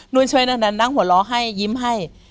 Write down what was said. นั่งหัวเราะให้ยิ้มให้